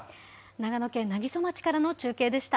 長野県南木曽町からの中継でした。